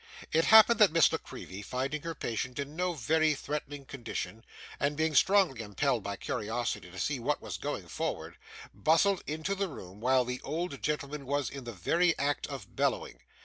It happened that Miss La Creevy, finding her patient in no very threatening condition, and being strongly impelled by curiosity to see what was going forward, bustled into the room while the old gentleman was in the very act of bellowing.